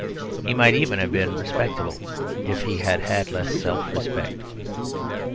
He might even have been respectable if he had had less self respect.